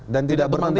dan tidak bertentangan